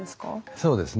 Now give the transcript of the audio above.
そうですね。